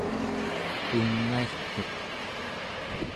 ungairtuq